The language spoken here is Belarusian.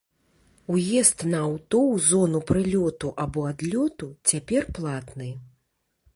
Уезд на аўто ў зону прылёту або адлёту цяпер платны.